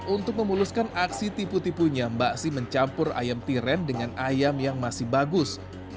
untuk memuluskan aksi tipu tipunya mbak si mencampur ayam tiren dengan ayam yang masih bagus